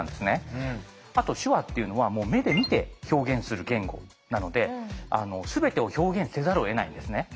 あと手話っていうのは目で見て表現する言語なので全てを表現せざるをえないんですね。